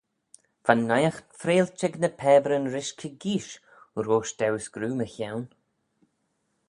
Va'n naight freilt ec ny pabyryn rish kegeeish roish daue screeu mychione.